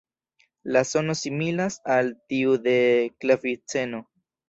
La sono similas al tiu de klaviceno.